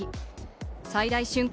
最大瞬間